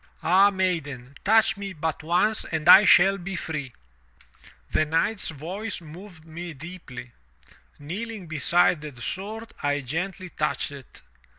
Ah, maiden, touch me but once and I shall be free!' 'The knight's voice moved me deeply. Kneeling beside the sword, I gently touched it.